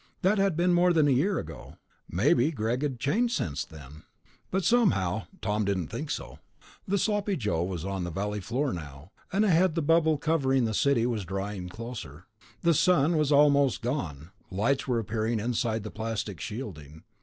That had been more than a year ago. Maybe Greg had changed since then. But somehow, Tom didn't think so. The Sloppy Joe was on the valley floor now, and ahead the bubble covering the city was drawing closer. The sun was almost gone; lights were appearing inside the plastic shielding.